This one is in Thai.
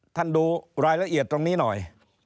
ดูรายละเอียดตรงนี้หน่อย